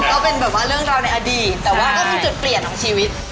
ก็เป็นแบบว่าเรื่องราวในอดีตแต่ว่าก็เป็นจุดเปลี่ยนของชีวิต